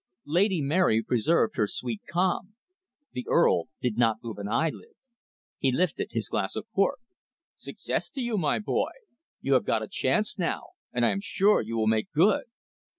Lady Mary preserved her sweet calm. The Earl did not move an eyelid. He lifted his glass of port. "Success to you, my boy. You have got a chance now. And I am sure you will make good."